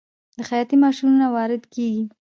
د خیاطۍ ماشینونه وارد کیږي؟